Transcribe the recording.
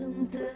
kamu mau lihat